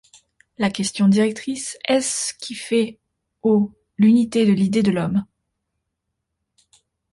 La question directrice est ce qui fait au l'unité de l'idée de l'homme.